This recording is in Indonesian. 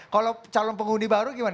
kalau calon pengundi baru gimana